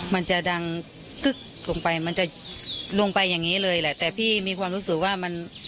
มันจะดังกึ๊กลงไปมันจะลงไปอย่างนี้เลยแหละแต่พี่มีความรู้สึกว่ามัน